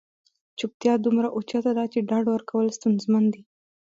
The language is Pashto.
چوپتیا دومره اوچته ده چې ډاډ ورکول ستونزمن دي.